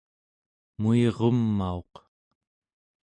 muirumauq